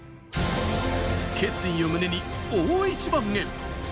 決意を胸に大一番へ。